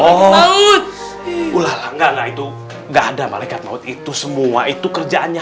maut ulala enggak itu enggak ada malaikat maut itu semua itu kerjaannya